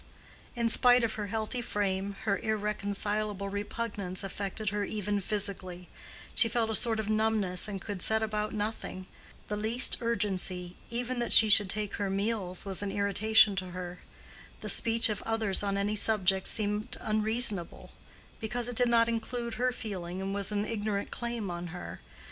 In spite of her healthy frame, her irreconcilable repugnance affected her even physically; she felt a sort of numbness and could set about nothing; the least urgency, even that she should take her meals, was an irritation to her; the speech of others on any subject seemed unreasonable, because it did not include her feeling and was an ignorant claim on her.